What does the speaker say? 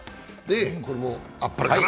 これもあっぱれかな？